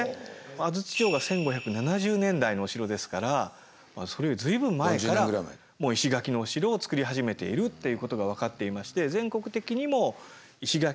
安土城が１５７０年代のお城ですからそれより随分前から石垣のお城を造り始めているっていうことが分かっていまして。